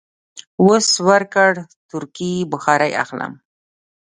وس ورکړ، تورکي بخارۍ اخلم.